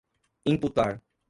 imputar